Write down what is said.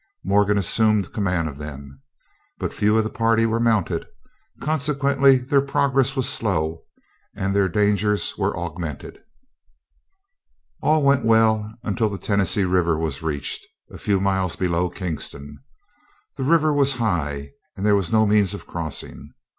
Morgan assumed command of them. But few of the party were mounted, consequently their progress was slow and their dangers were augmented. All went well until the Tennessee River was reached, a few miles below Kingston. The river was high and there was no means of crossing.